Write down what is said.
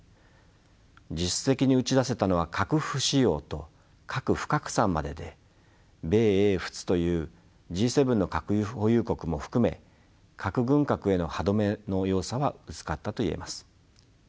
実質的に打ち出せたのは核不使用と核不拡散までで米英仏というＧ７の核保有国も含め核軍拡への歯止めの要素は薄かったと言えます。